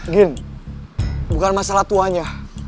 gin bukan masalah tuanya